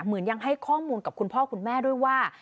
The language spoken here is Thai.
เหมือนยังให้ข้อมูลกับคุณพ่อคุณแม่ด้วยว่า